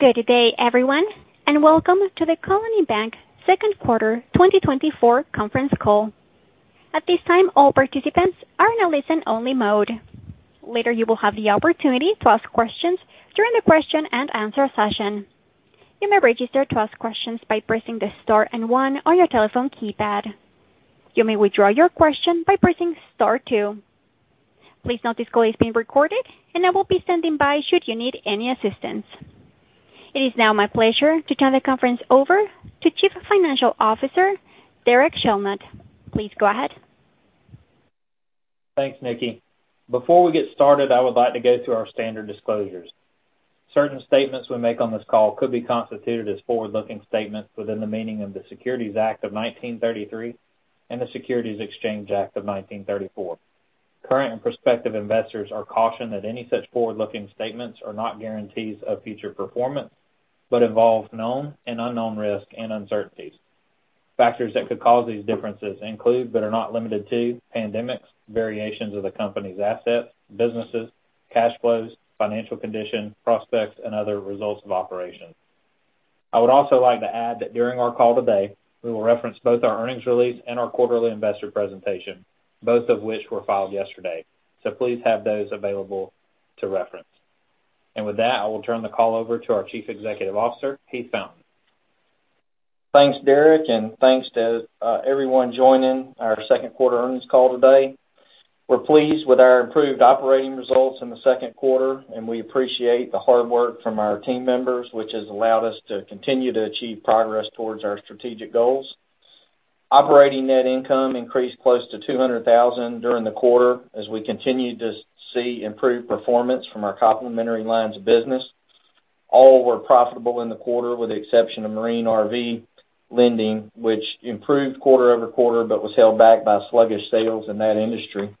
Good day, everyone, and welcome to the Colony Bank Second Quarter 2024 Conference Call. At this time, all participants are in a listen-only mode. Later, you will have the opportunity to ask questions during the question and answer session. You may register to ask questions by pressing the star and one on your telephone keypad. You may withdraw your question by pressing star two. Please note this call is being recorded, and I will be standing by should you need any assistance. It is now my pleasure to turn the conference over to Chief Financial Officer, Derek Shelnutt. Please go ahead. Thanks, Nikki. Before we get started, I would like to go through our standard disclosures. Certain statements we make on this call could be constituted as forward-looking statements within the meaning of the Securities Act of 1933 and the Securities Exchange Act of 1934. Current and prospective investors are cautioned that any such forward-looking statements are not guarantees of future performance, but involve known and unknown risks and uncertainties. Factors that could cause these differences include, but are not limited to, pandemics, variations of the company's assets, businesses, cash flows, financial condition, prospects, and other results of operations. I would also like to add that during our call today, we will reference both our earnings release and our quarterly investor presentation, both of which were filed yesterday. So please have those available to reference. With that, I will turn the call over to our Chief Executive Officer, Heath Fountain. Thanks, Derek, and thanks to everyone joining our second quarter earnings call today. We're pleased with our improved operating results in the second quarter, and we appreciate the hard work from our team members, which has allowed us to continue to achieve progress towards our strategic goals. Operating net income increased close to $200,000 during the quarter as we continued to see improved performance from our complementary lines of business. All were profitable in the quarter, with the exception of Marine and RV Lending, which improved quarter-over-quarter, but was held back by sluggish sales in that industry.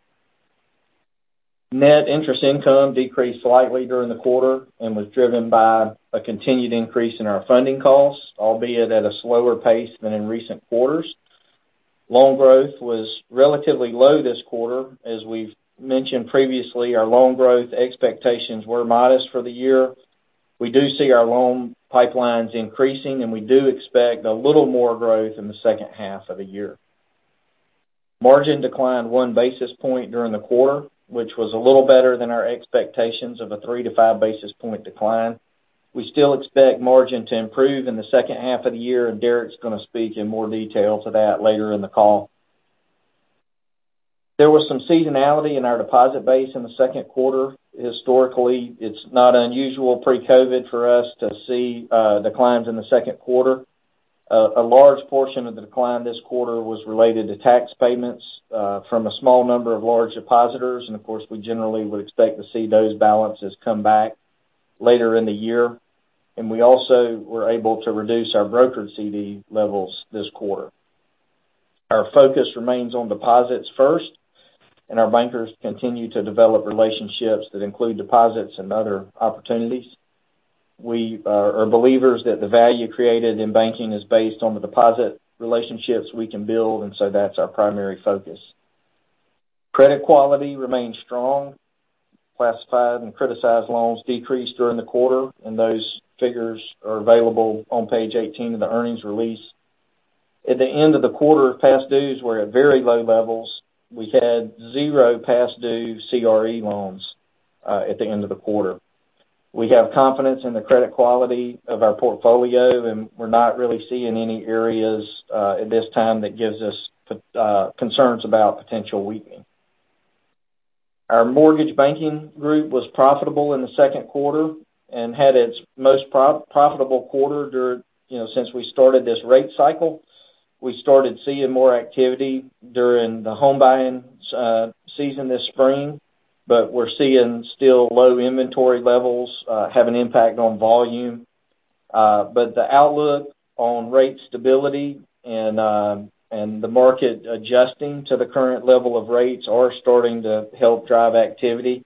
Net interest income decreased slightly during the quarter and was driven by a continued increase in our funding costs, albeit at a slower pace than in recent quarters. Loan growth was relatively low this quarter. As we've mentioned previously, our loan growth expectations were modest for the year. We do see our loan pipelines increasing, and we do expect a little more growth in the second half of the year. Margin declined 1 basis point during the quarter, which was a little better than our expectations of a three-five basis point decline. We still expect margin to improve in the second half of the year, and Derek's going to speak in more detail to that later in the call. There was some seasonality in our deposit base in the second quarter. Historically, it's not unusual pre-COVID for us to see declines in the second quarter. A large portion of the decline this quarter was related to tax payments from a small number of large depositors, and of course, we generally would expect to see those balances come back later in the year. We also were able to reduce our brokered CD levels this quarter. Our focus remains on deposits first, and our bankers continue to develop relationships that include deposits and other opportunities. We are believers that the value created in banking is based on the deposit relationships we can build, and so that's our primary focus. Credit quality remains strong. Classified and criticized loans decreased during the quarter, and those figures are available on Page 18 of the earnings release. At the end of the quarter, past dues were at very low levels. We had zero past due CRE loans at the end of the quarter. We have confidence in the credit quality of our portfolio, and we're not really seeing any areas at this time that gives us concerns about potential weakening. Our mortgage banking group was profitable in the second quarter and had its most profitable quarter during... You know, since we started this rate cycle. We started seeing more activity during the home buying season this spring, but we're seeing still low inventory levels have an impact on volume. But the outlook on rate stability and, and the market adjusting to the current level of rates are starting to help drive activity,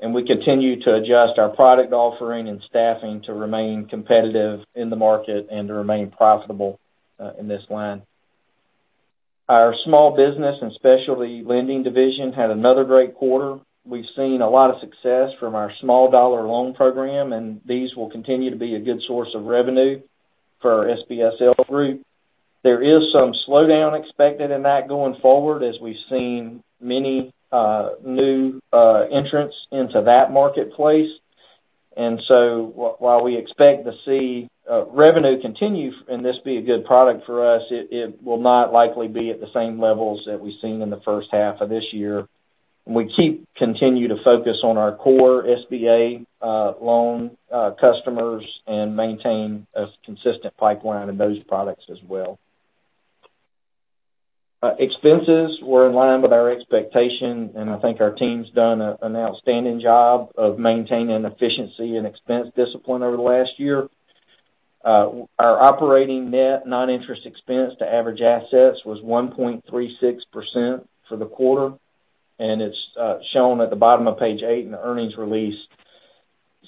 and we continue to adjust our product offering and staffing to remain competitive in the market and to remain profitable in this line. Our Small Business and Specialty Lending Division had another great quarter. We've seen a lot of success from our small dollar loan program, and these will continue to be a good source of revenue for our SBSL group. There is some slowdown expected in that going forward, as we've seen many new entrants into that marketplace. And so while we expect to see revenue continue and this be a good product for us, it, it will not likely be at the same levels that we've seen in the first half of this year. And we keep continuing to focus on our core SBA loan customers and maintain a consistent pipeline in those products as well. Expenses were in line with our expectation, and I think our team's done an outstanding job of maintaining efficiency and expense discipline over the last year. Our operating net non-interest expense to average assets was 1.36% for the quarter, and it's shown at the bottom of Page 8 in the earnings release.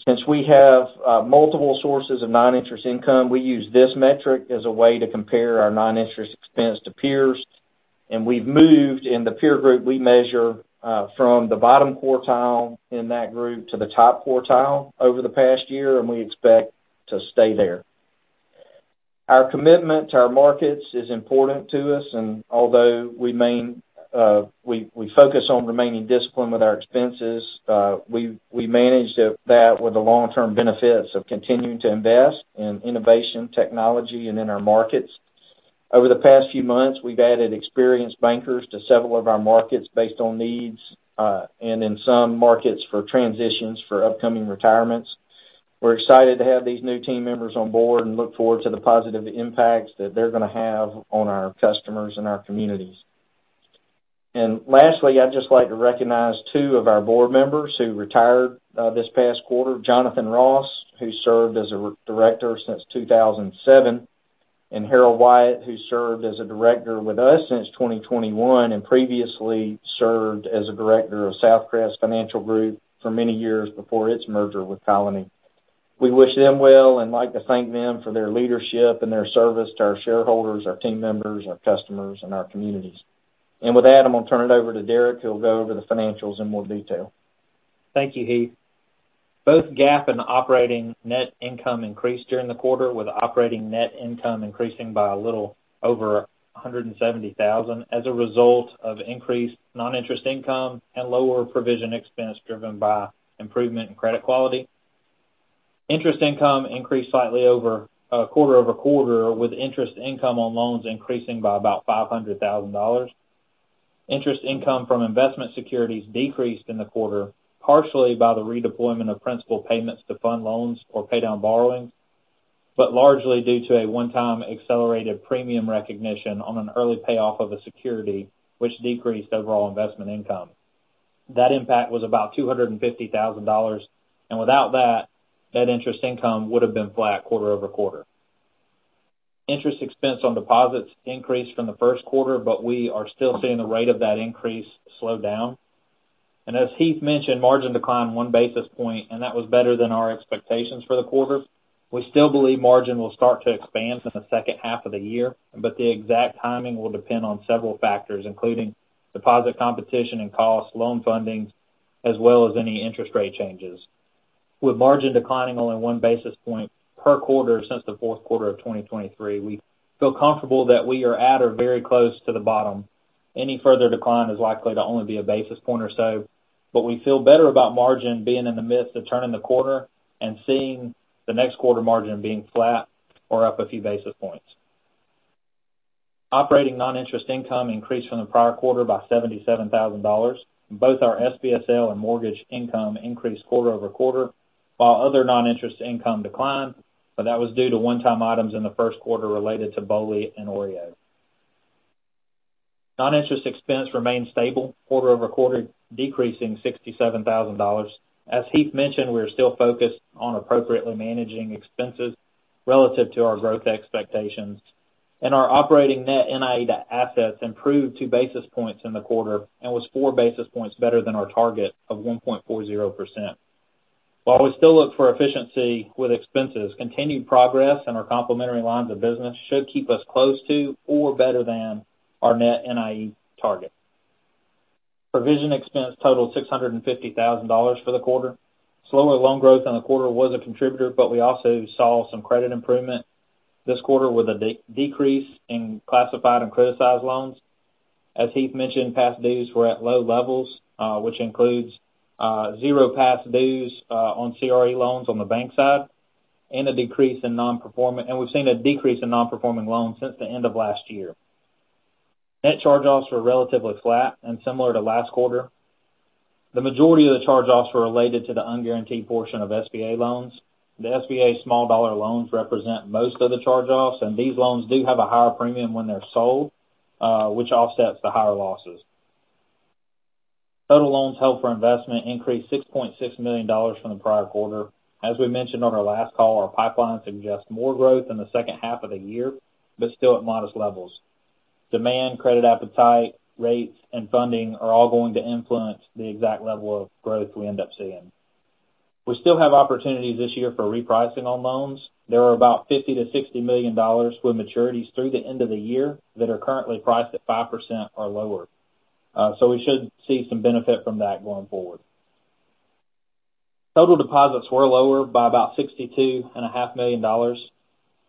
Since we have multiple sources of non-interest income, we use this metric as a way to compare our non-interest expense to peers... and we've moved in the peer group we measure from the bottom quartile in that group to the top quartile over the past year, and we expect to stay there. Our commitment to our markets is important to us, and although we maintain, we focus on remaining disciplined with our expenses, we manage that with the long-term benefits of continuing to invest in innovation, technology, and in our markets. Over the past few months, we've added experienced bankers to several of our markets based on needs, and in some markets, for transitions for upcoming retirements. We're excited to have these new team members on board and look forward to the positive impacts that they're gonna have on our customers and our communities. And lastly, I'd just like to recognize two of our board members who retired this past quarter, Jonathan Ross, who served as a director since 2007, and Harold Wyatt, who served as a director with us since 2021 and previously served as a director of Southcrest Financial Group for many years before its merger with Colony. We wish them well and would like to thank them for their leadership and their service to our shareholders, our team members, our customers, and our communities. And with that, I'm going to turn it over to Derek, who'll go over the financials in more detail. Thank you, Heath. Both GAAP and operating net income increased during the quarter, with operating net income increasing by a little over $170,000 as a result of increased non-interest income and lower provision expense, driven by improvement in credit quality. Interest income increased slightly quarter-over-quarter, with interest income on loans increasing by about $500,000. Interest income from investment securities decreased in the quarter, partially by the redeployment of principal payments to fund loans or pay down borrowings, but largely due to a one-time accelerated premium recognition on an early payoff of a security, which decreased overall investment income. That impact was about $250,000, and without that, net interest income would have been flat quarter-over-quarter. Interest expense on deposits increased from the first quarter, but we are still seeing the rate of that increase slow down. As Heath mentioned, margin declined one basis point, and that was better than our expectations for the quarter. We still believe margin will start to expand in the second half of the year, but the exact timing will depend on several factors, including deposit competition and costs, loan fundings, as well as any interest rate changes. With margin declining only one basis point per quarter since the fourth quarter of 2023, we feel comfortable that we are at or very close to the bottom. Any further decline is likely to only be a basis point or so, but we feel better about margin being in the midst of turning the corner and seeing the next quarter margin being flat or up a few basis points. Operating non-interest income increased from the prior quarter by $77,000. Both our SBSL and mortgage income increased quarter-over-quarter, while other non-interest income declined, but that was due to one-time items in the first quarter related to BOLI and OREO. Non-interest expense remained stable quarter-over-quarter, decreasing $67,000. As Heath mentioned, we are still focused on appropriately managing expenses relative to our growth expectations, and our operating net NIE to assets improved two basis points in the quarter and was four basis points better than our target of 1.40%. While we still look for efficiency with expenses, continued progress in our complementary lines of business should keep us close to or better than our net NIE target. Provision expense totaled $650,000 for the quarter. Slower loan growth in the quarter was a contributor, but we also saw some credit improvement this quarter with a decrease in classified and criticized loans. As Heath mentioned, past dues were at low levels, which includes zero past dues CRE loans on the bank side, and we've seen a decrease in nonperforming loans since the end of last year. Net charge-offs were relatively flat and similar to last quarter. The majority of the charge-offs were related to the unguaranteed portion of SBA loans. The SBA small dollar loans represent most of the charge-offs, and these loans do have a higher premium when they're sold, which offsets the higher losses. Total loans held for investment increased $6.6 million from the prior quarter. As we mentioned on our last call, our pipeline suggests more growth in the second half of the year, but still at modest levels. Demand, credit appetite, rates, and funding are all going to influence the exact level of growth we end up seeing. We still have opportunities this year for repricing on loans. There are about $50 million-$60 million with maturities through the end of the year that are currently priced at 5% or lower. So we should see some benefit from that going forward. Total deposits were lower by about $62.5 million,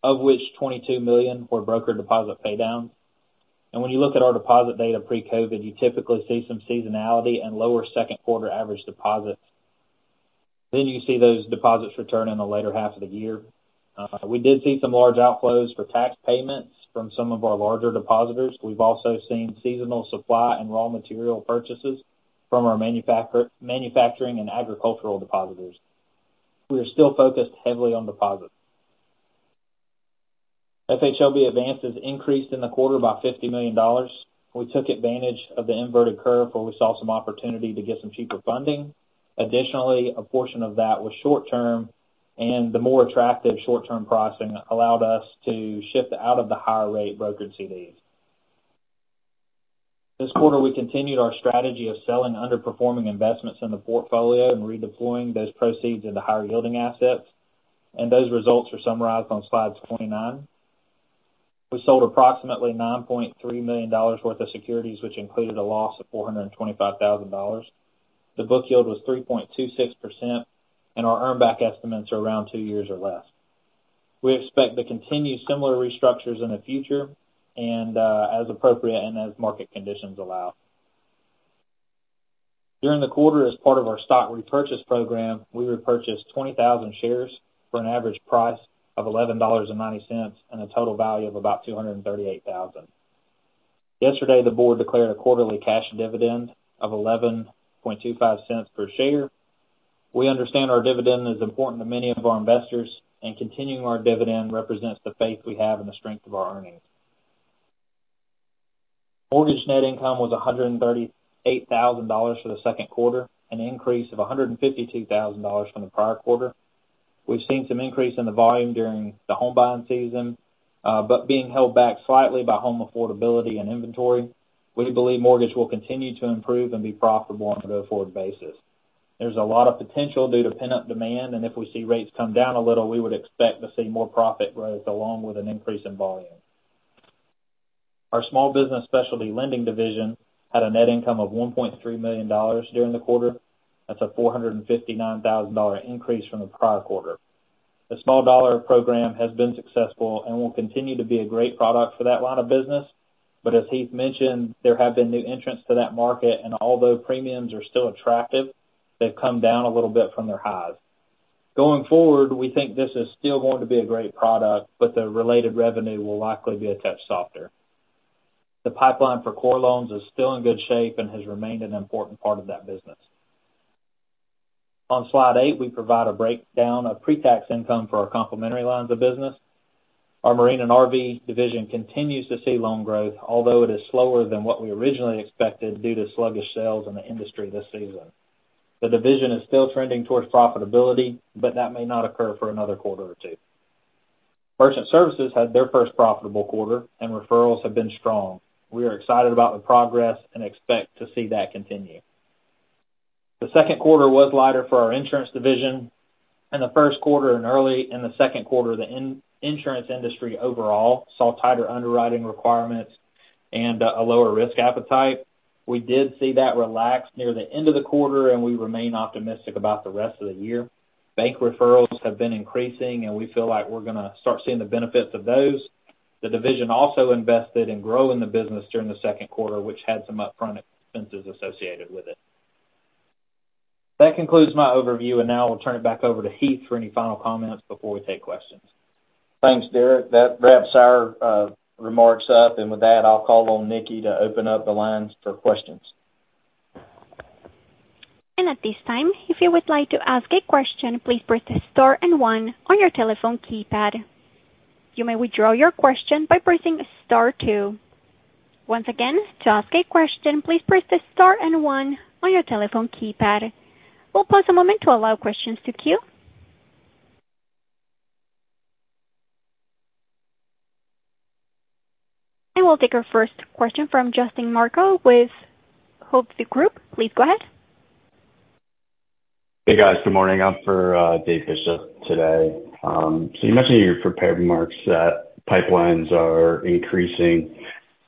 of which $22 million were broker deposit pay downs. And when you look at our deposit data pre-COVID, you typically see some seasonality and lower second quarter average deposits. Then you see those deposits return in the later half of the year. We did see some large outflows for tax payments from some of our larger depositors. We've also seen seasonal supply and raw material purchases from our manufacturing and agricultural depositors. We are still focused heavily on deposits. FHLB advances increased in the quarter by $50 million. We took advantage of the inverted curve where we saw some opportunity to get some cheaper funding. Additionally, a portion of that was short-term, and the more attractive short-term pricing allowed us to shift out of the higher rate brokered CDs. This quarter, we continued our strategy of selling underperforming investments in the portfolio and redeploying those proceeds into higher-yielding assets... And those results are summarized on Slide 29. We sold approximately $9.3 million worth of securities, which included a loss of $425,000. The book yield was 3.26%, and our earn back estimates are around two years or less. We expect to continue similar restructures in the future, and, as appropriate, and as market conditions allow. During the quarter, as part of our stock repurchase program, we repurchased 20,000 shares for an average price of $11.90, and a total value of about $238,000. Yesterday, the board declared a quarterly cash dividend of $0.1125 per share. We understand our dividend is important to many of our investors, and continuing our dividend represents the faith we have in the strength of our earnings. Mortgage net income was $138,000 for the second quarter, an increase of $152,000 from the prior quarter. We've seen some increase in the volume during the home buying season, but being held back slightly by home affordability and inventory, we believe mortgage will continue to improve and be profitable on a go-forward basis. There's a lot of potential due to pent-up demand, and if we see rates come down a little, we would expect to see more profit growth along with an increase in volume. Our small business specialty lending division had a net income of $1.3 million during the quarter. That's a $459,000 increase from the prior quarter. The small dollar program has been successful and will continue to be a great product for that line of business. But as Heath mentioned, there have been new entrants to that market, and although premiums are still attractive, they've come down a little bit from their highs. Going forward, we think this is still going to be a great product, but the related revenue will likely be a touch softer. The pipeline for core loans is still in good shape and has remained an important part of that business. On Slide 8, we provide a breakdown of pre-tax income for our complementary lines of business. Our Marine and RV Division continues to see loan growth, although it is slower than what we originally expected due to sluggish sales in the industry this season. The division is still trending towards profitability, but that may not occur for another quarter or two. Merchant Services had their first profitable quarter, and referrals have been strong. We are excited about the progress and expect to see that continue. The second quarter was lighter for our Insurance Division, and the first quarter and early in the second quarter, the insurance industry overall saw tighter underwriting requirements and a lower risk appetite. We did see that relax near the end of the quarter, and we remain optimistic about the rest of the year. Bank referrals have been increasing, and we feel like we're gonna start seeing the benefits of those. The division also invested in growing the business during the second quarter, which had some upfront expenses associated with it. That concludes my overview, and now I'll turn it back over to Heath for any final comments before we take questions. Thanks, Derek. That wraps our remarks up, and with that, I'll call on Nikki to open up the lines for questions. At this time, if you would like to ask a question, please press star and one on your telephone keypad. You may withdraw your question by pressing star two. Once again, to ask a question, please press star and one on your telephone keypad. We'll pause a moment to allow questions to queue. I will take our first question from Justin Marca with Hovde Group. Please go ahead. Hey, guys. Good morning. I'm for Dave Bishop today. So you mentioned in your prepared remarks that pipelines are increasing.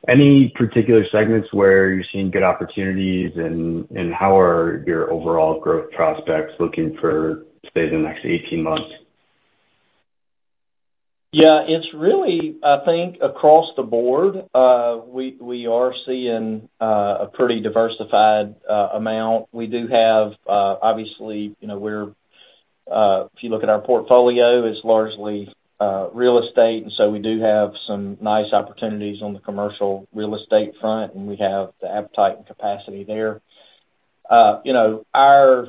Any particular segments where you're seeing good opportunities, and, and how are your overall growth prospects looking for, say, the next 18 months? Yeah, it's really, I think, across the board, we are seeing a pretty diversified amount. We do have, obviously, you know, we're if you look at our portfolio, it's largely real estate, and so we do have some nice opportunities on the commercial real estate front, and we have the appetite and capacity there. You know, our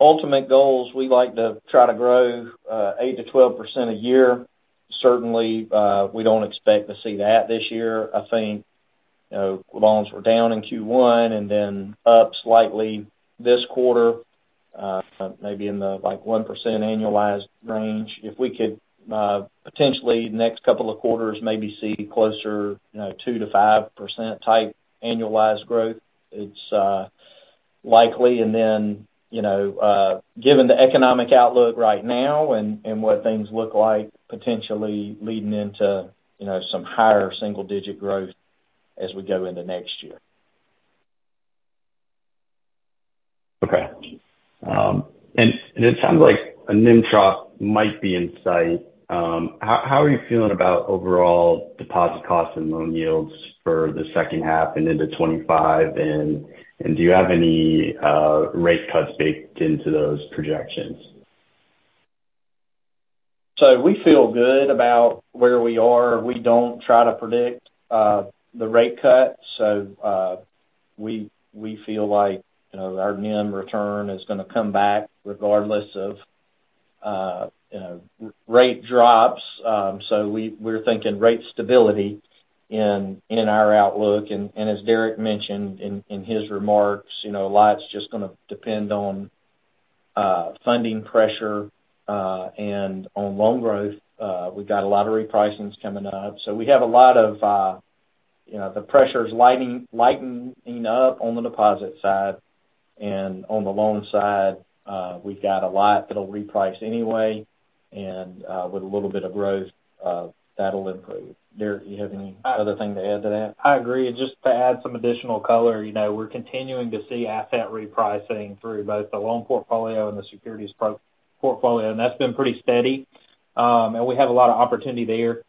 ultimate goals, we like to try to grow 8%-12% a year. Certainly, we don't expect to see that this year. I think, you know, loans were down in Q1 and then up slightly this quarter, maybe in the like 1% annualized range. If we could potentially, next couple of quarters, maybe see closer, you know, 2%-5% type annualized growth, it's likely, and then, you know, given the economic outlook right now and, and what things look like, potentially leading into, you know, some higher single digit growth as we go into next year. Okay. And it sounds like a NIM drop might be in sight. How are you feeling about overall deposit costs and loan yields for the second half and into 25? And do you have any rate cuts baked into those projections? So we feel good about where we are. We don't try to predict the rate cut. So we feel like, you know, our NIM return is gonna come back, regardless of, you know, rate drops. So we're thinking rate stability in our outlook. And as Derek mentioned in his remarks, you know, a lot's just gonna depend on funding pressure and on loan growth. We've got a lot of repricings coming up, so we have a lot of, you know, the pressure's lightening up on the deposit side, and on the loan side we've got a lot that'll reprice anyway, and with a little bit of growth that'll improve. Derek, you have any other thing to add to that? I agree. Just to add some additional color, you know, we're continuing to see asset repricing through both the loan portfolio and the securities portfolio, and that's been pretty steady. And we have a lot of opportunity there.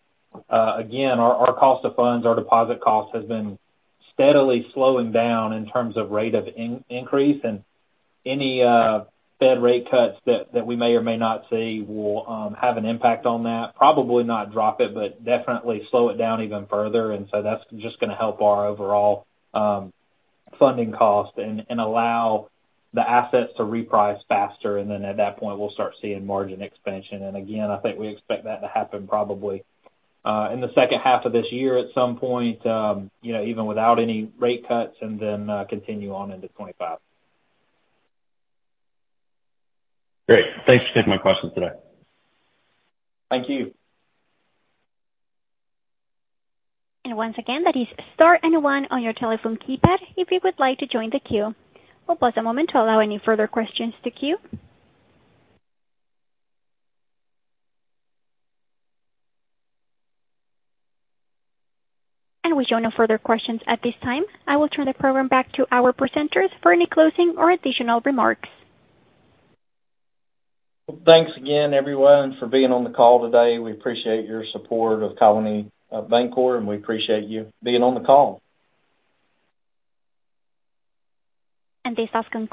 Again, our cost of funds, our deposit costs, has been steadily slowing down in terms of rate of increase and any Fed rate cuts that we may or may not see will have an impact on that. Probably not drop it, but definitely slow it down even further, and so that's just gonna help our overall funding cost and allow the assets to reprice faster, and then at that point, we'll start seeing margin expansion. Again, I think we expect that to happen probably in the second half of this year, at some point, you know, even without any rate cuts, and then continue on into 2025. Great. Thanks for taking my questions today. Thank you. And once again, that is star and one on your telephone keypad, if you would like to join the queue. We'll pause a moment to allow any further questions to queue. And we show no further questions at this time. I will turn the program back to our presenters for any closing or additional remarks. Well, thanks again, everyone, for being on the call today. We appreciate your support of Colony Bankcorp, and we appreciate you being on the call. This does conclude...